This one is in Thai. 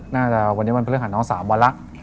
น่าจะวันนี้วันพฤหัสน้อง๓วันแล้ว